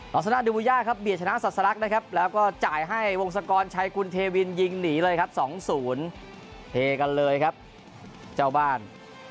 ลักษณะดูบุญญาครับเบียดชนะสัสลักนะครับแล้วก็จ่ายให้วงศักรณ์ชายคุณเทวินยิงหนีเลยครับสองศูนย์เทกันเลยครับเจ้าบ้าน